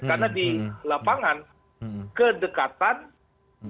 karena di lapangan kedekatan dan kebaikan asn